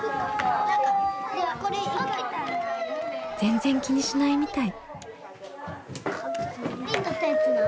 全然気にしないみたい。